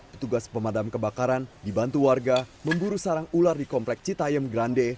petugas pemadam kebakaran dibantu warga memburu sarang ular di komplek citayem grande